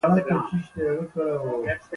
نن سبا احمد هم له لویو لویو کسانو سره ډغرې وهي.